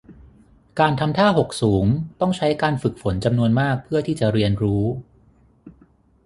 การทำท่าหกสูงต้องใช้การฝึกฝนจำนวนมากเพื่อที่จะเรียนรู้